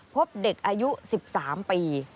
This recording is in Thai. พบเด็กอายุ๑๓ปี